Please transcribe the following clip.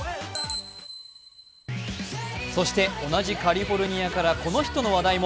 そして、同じカリフォルニアからこの人の話題も。